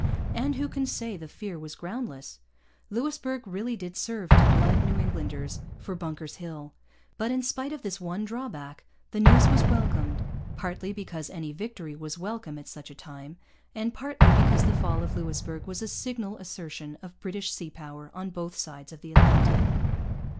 And who can say the fear was groundless? Louisbourg really did serve to blood New Englanders for Bunker's Hill. But, in spite of this one drawback, the news was welcomed, partly because any victory was welcome at such a time, and partly because the fall of Louisbourg was a signal assertion of British sea power on both sides of the Atlantic.